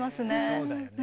そうだよね。